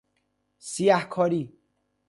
سیه کاری